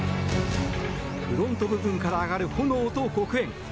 フロント部分から上がる炎と黒煙。